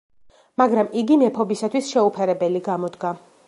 მაგრამ იგი მეფობისათვის შეუფერებელი გამოდგა.